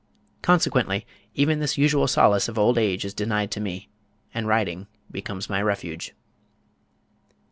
Consequently even this usual solace of old age is denied to me, and writing becomes my refuge.